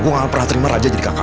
gue gak pernah terima raja jadi kakak